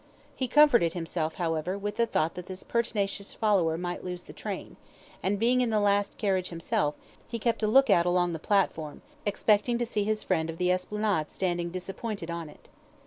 He comforted himself, however, with the thought that this pertinacious follower might lose the train, and, being in the last carriage himself, he kept a look out along the platform, expecting to see his friend of the Esplanade standing disappointed on it.